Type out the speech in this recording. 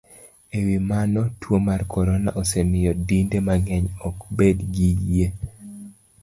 E wi mano, tuo mar corona osemiyo dinde mang'eny ok bed gi yie